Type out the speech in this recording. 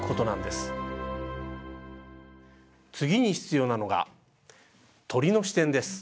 次に必要なのが「鳥の視点」です。